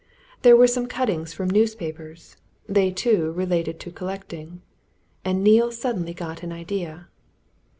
There were some cuttings from newspapers: they, too, related to collecting. And Neale suddenly got an idea.